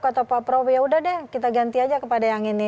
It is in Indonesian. kata pak prabowo yaudah deh kita ganti aja kepada yang ini